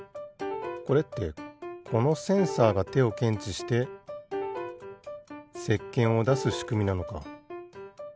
これってこのセンサーがてをけんちしてせっけんをだすしくみなのか。